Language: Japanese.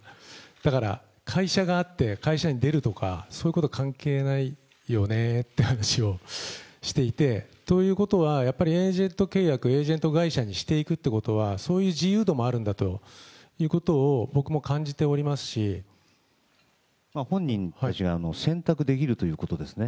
だから、会社があって、会社に出るとか、そういうこと関係ないよねって話をしていて、ということは、やっぱりエージェント契約、エージェント会社にしていくってことは、そういう自由度もあるんだということを、本人たちが選択できるということですね。